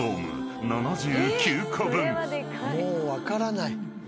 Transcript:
もう分からない。